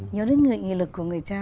nhớ đến nghị lực của người cha